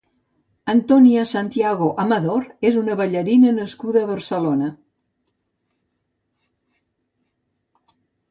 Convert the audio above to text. Antonia Santiago Amador és una ballarina nascuda a Barcelona.